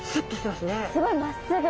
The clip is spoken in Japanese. すごいまっすぐ。